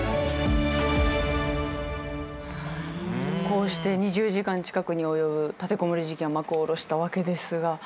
こうして２０時間近くに及ぶ立てこもり事件は幕を下ろしたわけですが。